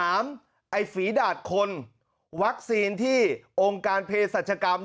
ไอ้ฝีดาดคนวัคซีนที่องค์การเพศรัชกรรม